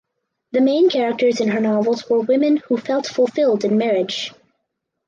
The main characters in her novels were women who felt fulfilled in marriage.